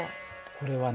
これはね